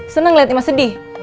senang ngeliat imas sedih